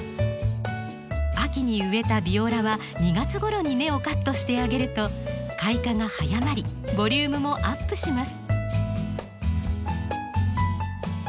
秋に植えたビオラは２月ごろに根をカットしてあげると開花が早まりボリュームもアップします。